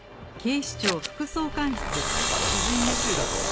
殺人未遂だと？